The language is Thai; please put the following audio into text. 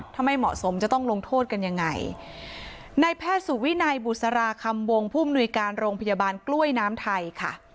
ถ้าไม่เหมาะสมจะต้องลงโทษกันยังไงในแพทย์สุวินัยบุษราคำวงผู้มนุยการโรงพยาบาลกล้วยน้ำไทยค่ะ